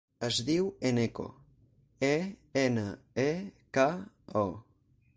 Es diu Eneko: e, ena, e, ca, o.